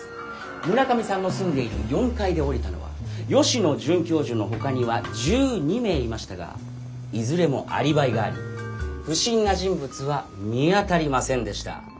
村上さんの住んでいる４階で降りたのは吉野准教授のほかには１２名いましたがいずれもアリバイがあり不審な人物は見当たりませんでした。